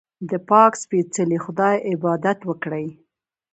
د پاک سپېڅلي خدای عبادت وکړئ.